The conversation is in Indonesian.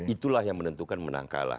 itulah yang menentukan menang kalah